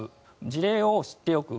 事例を知っておく。